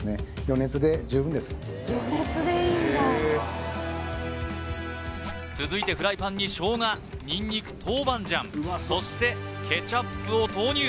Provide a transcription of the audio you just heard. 余熱で十分です続いてフライパンにショウガニンニク豆板醤そしてケチャップを投入